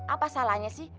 apa salahnya sih